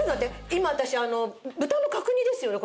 今私豚の角煮ですよね？